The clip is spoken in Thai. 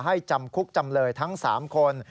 จำคุกจำเลยทั้ง๓คน